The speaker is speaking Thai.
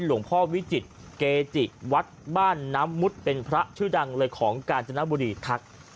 หลวงพ่อวิจิตรเกจิวัดบ้านน้ำมุดเป็นพระชื่อดังเลยของกาญจนบุรีทัก